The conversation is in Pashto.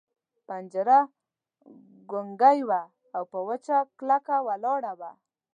پنجره ګونګۍ وه او وچه کلکه ولاړه وه.